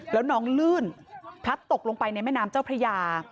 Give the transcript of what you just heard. แล้วน้องลื่นพลัดตกลงไปในแม่น้ำเจ้าพระยา